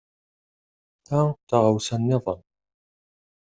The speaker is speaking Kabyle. Ta d taɣawsa niḍen.